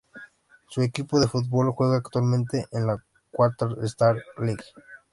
Su equipo de fútbol juega actualmente en la Qatar Stars League.